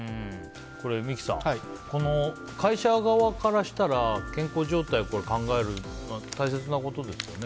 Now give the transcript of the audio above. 三木さん、会社側からしたら健康状態を考えるのは大切なことですよね。